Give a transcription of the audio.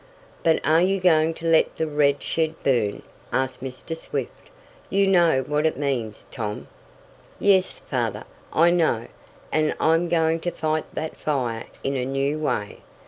"But are you going to let the red shed burn?" asked Mr. Swift. "You know what it means, Tom." "Yes, Father, I know. And I'm going to fight that fire in a new way.